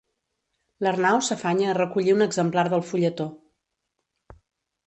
L'Arnau s'afanya a recollir un exemplar del fulletó.